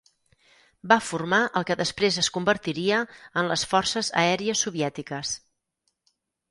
Va formar el que després es convertiria en les Forces Aèries Soviètiques.